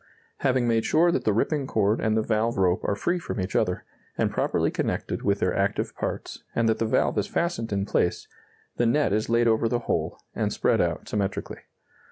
] Having made sure that the ripping cord and the valve rope are free from each other, and properly connected with their active parts, and that the valve is fastened in place, the net is laid over the whole, and spread out symmetrically.